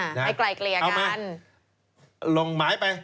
ให้ไกลเกลียกันเอามาลงหมายไป